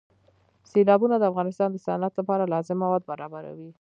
سیلابونه د افغانستان د صنعت لپاره لازم مواد برابروي.